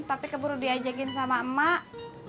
tapi keburu diajakin sama emak